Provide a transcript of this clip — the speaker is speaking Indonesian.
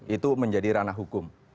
itu menjadi ranah hukum